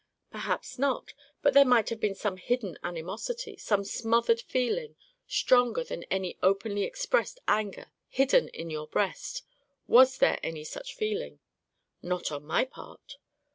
"Perhaps not; but there might have been some hidden animosity, some smothered feeling, stronger than any openly expressed anger, hidden in your breast. Was there any such feeling?" "Not on my part."